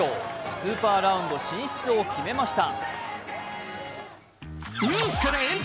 スーパーラウンド進出を決めました。